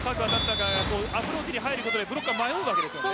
アプローチに入ることでブロックは迷うわけですね。